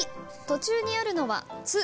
途中にあるのは「つ」